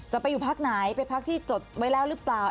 จะไปอยู่พักไหนไปพักที่จดไว้แล้วหรือเปล่า